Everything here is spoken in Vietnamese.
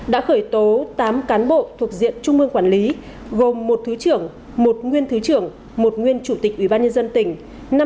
đã khởi tố tám cán bộ thuộc diện trung ương quản lý gồm một thứ trưởng một nguyên thứ trưởng một nguyên chủ tịch ủy ban nhân dân tỉnh